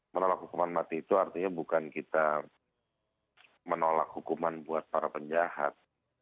menolak hukuman mati itu artinya bukan kita menolak hukuman buat para penjahat